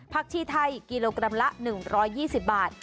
ชีไทยกิโลกรัมละ๑๒๐บาท